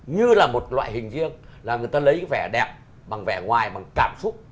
như là một loại hình riêng là người ta lấy vẻ đẹp bằng vẻ ngoài bằng cảm xúc